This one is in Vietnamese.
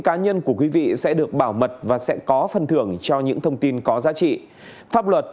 cá nhân của quý vị sẽ được bảo mật và sẽ có phân thưởng cho những thông tin có giá trị pháp luật